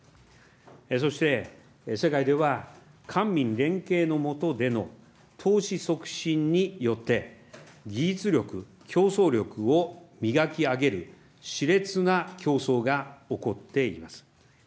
そして世界では、官民連携の下での投資促進によって、技術力、競争力を磨き上げるしれつな競争が起こっています。